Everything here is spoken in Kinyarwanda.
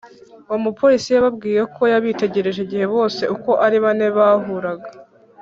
Uwo Mupolisi Yababwiye Ko Yabitegereje Igihe Bose Uko Ari Bane Bahuraga